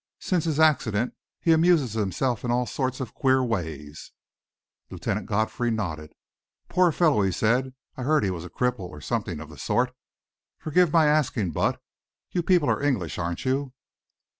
"Since his accident he amuses himself in all sorts of queer ways." Lieutenant Godfrey nodded. "Poor fellow!" he said. "I heard he was a cripple, or something of the sort. Forgive my asking, but you people are English, aren't you?"